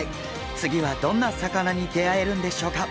次はどんな魚に出会えるんでしょうか？